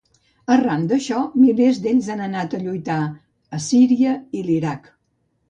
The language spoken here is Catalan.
Arran d'això, milers d'ells han anat a lluitar a Síria i l'Iraq.